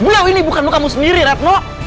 beliau ini bukanmu kamu sendiri ratno